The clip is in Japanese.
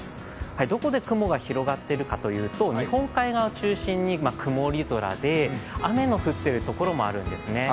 どこで雲が広がっているかというと日本海側を中心に曇り空で雨の降っているところもあるんですね